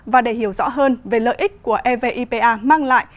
và để hiểu rõ hơn về lợi ích của evipa mang lại